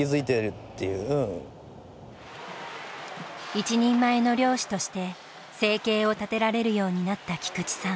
一人前の漁師として生計を立てられるようになった菊地さん。